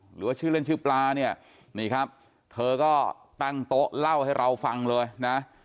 หรือว่าชื่อเล่นชื่อปลาเนี่ยนี่ครับเธอก็ตั้งโต๊ะเล่าให้เราฟังเลยนะ